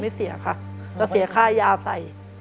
ไม่เสียค่ะจะเสียค่ายาใส